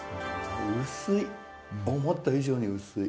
薄い。